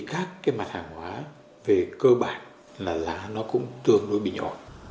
các mặt hàng hóa về cơ bản là nó cũng tương đối bị nhỏ